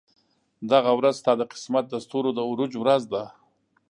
دغه ورځ ستا د قسمت د ستورو د عروج ورځ ده.